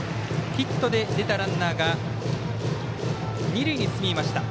ヒットで出たランナーが二塁に進みました。